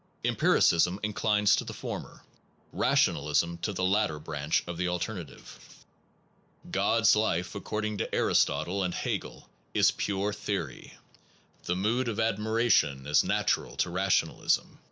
Empiricism inclines to the former, rationalism to the latter branch of the alternative. God s 35 SOME PROBLEMS OF PHILOSOPHY life, according to Aristotle and Hegel, is pure theory. The mood of admiration is natural to rationalism.